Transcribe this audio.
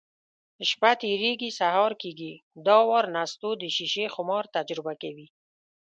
شپه تېرېږي، سهار کېږي. دا وار نستوه د شیشې خمار تجربه کوي: